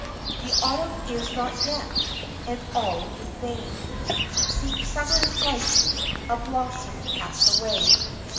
The Autumn is not yet, and all in vain Seems Summer's life a blossom cast away.